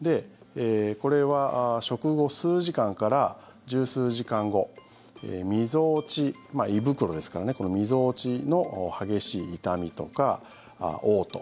これは食後数時間から１０数時間後みぞおち、胃袋ですからねこのみぞおちの激しい痛みとかおう吐。